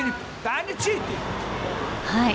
はい。